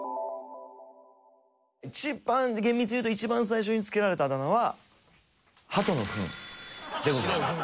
一番厳密に言うと一番最初につけられたあだ名は鳩のフンでございます。